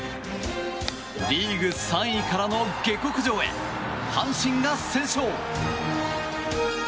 リーグ３位からの下克上へ阪神が先勝。